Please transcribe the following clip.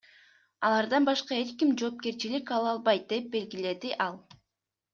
Алардан башка эч ким жоопкерчилик ала албайт, — деп белгиледи ал.